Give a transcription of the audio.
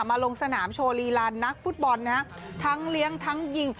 ลงสนามโชว์ลีลานนักฟุตบอลนะฮะทั้งเลี้ยงทั้งยิง